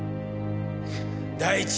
第一